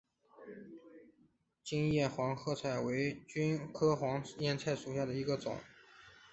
戟叶黄鹌菜为菊科黄鹌菜属下的一个种。